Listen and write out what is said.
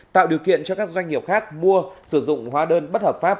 tạo điều kiện cho các doanh nghiệp khác mua sử dụng hóa đơn bất hợp pháp